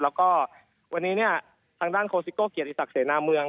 แล้วก็วันนี้เนี่ยทางด้านโคซิโก้เกียรติศักดิเสนาเมือง